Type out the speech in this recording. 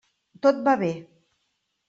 Tot va bé.